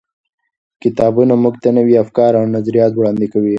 کتابونه موږ ته نوي افکار او نظریات وړاندې کوي.